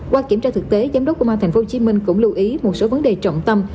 qua kiểm tra thực tế giám đốc công an tp hcm cũng lưu ý một số vấn đề trọng tâm